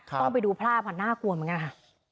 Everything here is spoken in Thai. ต้องไปดูภาพค่ะน่ากลัวเหมือนกันค่ะ